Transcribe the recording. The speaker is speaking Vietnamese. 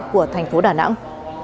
của thành phố đà nẵng